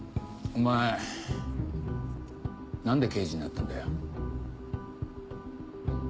お前何で刑事になったんだよ？